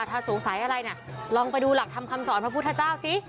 ถ้าสงสัยอะไรเนี่ยลองไปดูหลักธรรมคำสอนพระพุทธเจ้าสิ